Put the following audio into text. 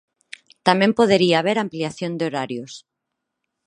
Tamén podería haber ampliación de horarios.